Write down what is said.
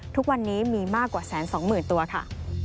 ทุกวันนี้มีมากกว่าแสนสองหมื่นตัวค่ะ